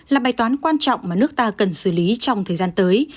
là bài toán quan trọng mà nước ta cần xử lý trong thời gian tới